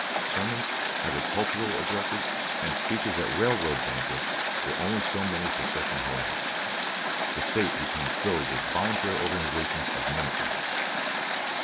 Sermons, agricultural addresses, and speeches at railroad banquets were only so many secession harangues. The State became filled with volunteer organizations of "minute men."